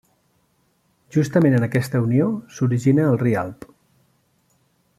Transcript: Justament en aquesta unió s'origina el Rialb.